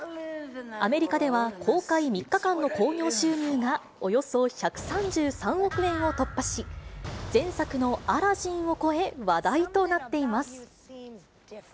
アメリカでは公開３日間の興行収入がおよそ１３３億円を突破し、前作のアラジンを超え、話題となっています。